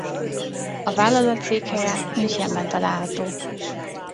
A vállalat székhelye Münchenben található.